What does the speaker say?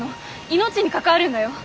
命に関わるんだよ！